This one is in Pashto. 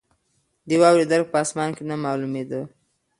د واورې درک په اسمان کې نه معلومېده.